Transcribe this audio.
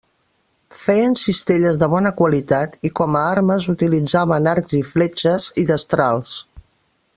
Feien cistelles de bona qualitat, i com a armes utilitzaven arcs i fletxes i destrals.